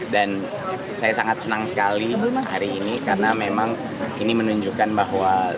dan saya sangat senang sekali hari ini karena memang ini menunjukkan bahwa